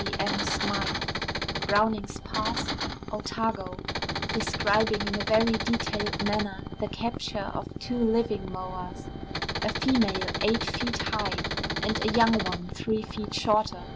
K. M. Smythe, Browning's Pass, Otago, describing in a very detailed manner the capture of two living moas, a female eight feet high, and a young one three feet shorter.